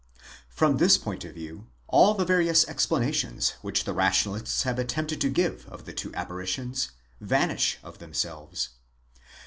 From this point of view, all the various explanations, which the Rationalists have attempted to give of the two apparitions, vanish of themselves.